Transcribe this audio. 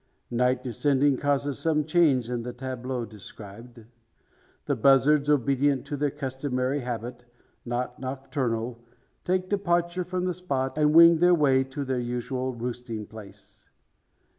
Night descending causes some change in the tableau described. The buzzards, obedient to their customary habit not nocturnal take departure from the spot, and wing their way to their usual roosting place.